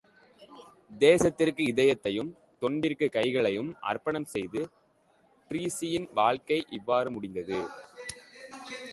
தேசத்திற்கு இதயத்தையும், தொண்டிற்குக் கைகளையும் அர்ப்பணம் செய்து டிரீஸியின் வாழ்க்கை இவ்வாறுமுடிந்தது.